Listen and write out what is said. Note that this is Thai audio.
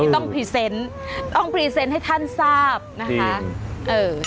ต้องพรีเซนต์ต้องพรีเซนต์ให้ท่านทราบนะคะเอ่อ